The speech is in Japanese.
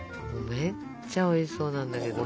めっちゃおいしそうなんだけど。